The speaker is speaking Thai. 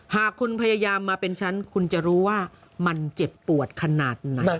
หากคุณพยายามมาเป็นฉันคุณจะรู้ว่ามันเจ็บปวดขนาดไหน